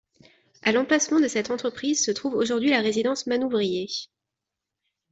A l'emplacement de cette entreprise se trouve aujourd'hui la résidence Manouvrier.